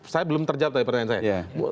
saya belum terjawab tadi pertanyaan saya